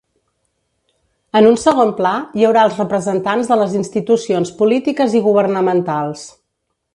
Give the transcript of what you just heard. En un segon pla, hi haurà els representants de les institucions polítiques i governamentals.